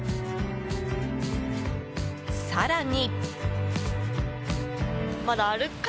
更に。